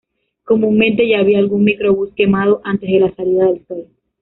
Comúnmente ya había algún microbús quemado antes de la salida del sol.